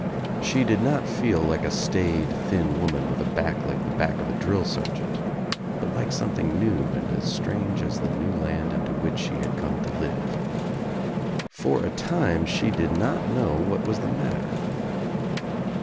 She did not feel like a staid thin woman with a back like the back of a drill sergeant, but like something new and as strange as the new land into which she had come to live. For a time she did not know what was the matter.